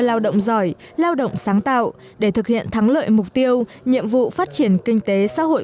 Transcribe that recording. lao động giỏi lao động sáng tạo để thực hiện thắng lợi mục tiêu nhiệm vụ phát triển kinh tế xã hội